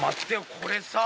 これさぁ